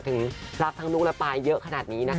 ถึงรักทั้งลูกและปายเยอะขนาดนี้นะคะ